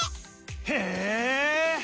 へえ！